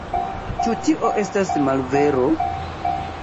Ĉu tio estas malvero?